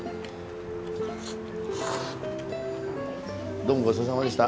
・どうもごちそうさまでした。